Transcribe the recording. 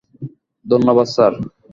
ধন্যবাদ, স্যার!